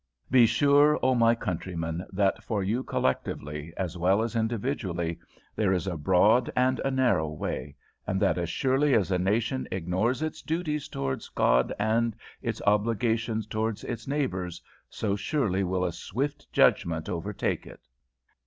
Be sure, oh my countrymen, that for you collectively, as well as individually, there is a broad and a narrow way, and that as surely as a nation ignores its duties towards God and its obligations towards its neighbours, so surely will a swift judgment overtake it!"